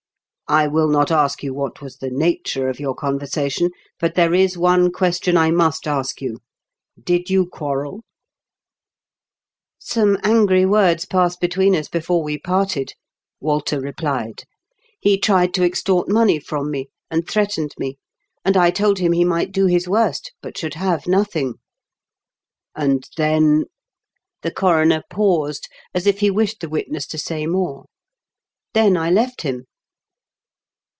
" I wUl not ask you what was the nature of your conversation ; but there is one question I must ask you. Did you quarrel ?" TEE BOOMED OF THE' DARK ENTRY. 196 "Some angry words passed between us before we parted/' Walter replied. "He tried to extort money from me, and threatened me; and I told him he might do his worst, but should have nothing." " And then " The coroner paused, as if he wished the witness to say more. " Then I left him."